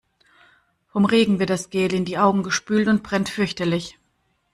Vom Regen wird das Gel in die Augen gespült und brennt fürchterlich.